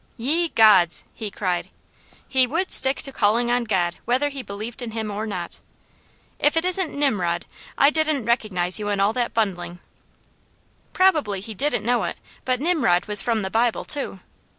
"Ye Gods!" he cried. He would stick to calling on God, whether he believed in Him or not. "If it isn't Nimrod! I didn't recognize you in all that bundling." Probably he didn't know it, but Nimrod was from the Bible too!